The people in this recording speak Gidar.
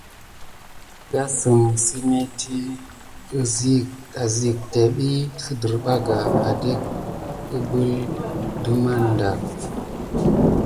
Məgasem semeti isik tembi siderbaka atdé kubula de maneda.